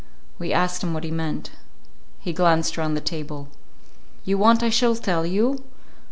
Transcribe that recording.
We asked him what he meant. He glanced around the table. "You want I shall tell you?